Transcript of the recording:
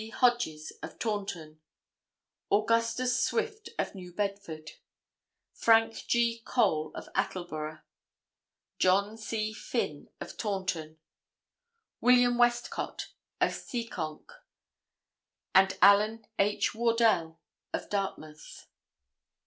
Hodges of Taunton; Augustus Swift of New Bedford; Frank G. Cole of Attleboro; John C. Finn of Taunton; William Wescott of Seekonk; and Allen H. Wordell of Dartmouth.